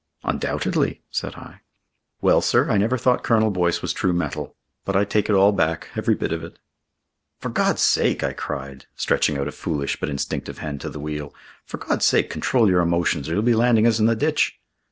"Undoubtedly," said I. "Well, sir, I never thought Colonel Boyce was true metal. But I take it all back every bit of it." "For God's sake," I cried, stretching out a foolish but instinctive hand to the wheel, "for God's sake, control your emotions, or you'll be landing us in the ditch."